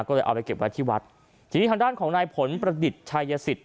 ก็เลยเอาไปเก็บไว้ที่วัดทีนี้ทางด้านของนายผลประดิษฐ์ชายสิทธิ